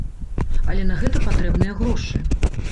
Але на гэта патрэбныя грошы.